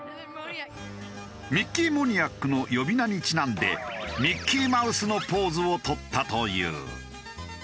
ミッキー・モニアックの呼び名にちなんでミッキーマウスのポーズをとったという。